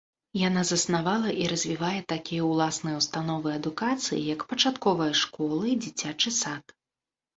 Яна заснавала і развівае такія ўласныя ўстановы адукацыі, як пачатковая школа і дзіцячы сад.